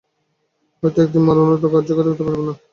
হয়তো একদিন মার অনুরোধ অগ্রাহ্য করিতে পারিব না, ইহাও সম্ভব হইতে পারে।